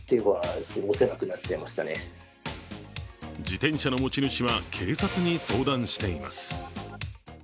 自転車の持ち主は、警察に相談しています。